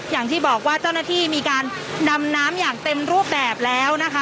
อย่างที่บอกว่าเจ้าหน้าที่มีการดำน้ำอย่างเต็มรูปแบบแล้วนะคะ